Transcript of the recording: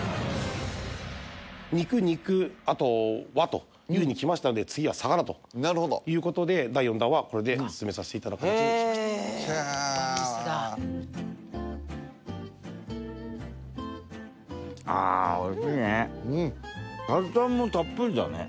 肉肉あと和というふうに来ましたので次は魚ということで第４弾はこれで進めさせていただく形にしましたへえあおいしいねタルタルもたっぷりだね